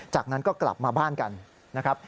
จากนั้นก็กลับมาบ้านกันนะครับ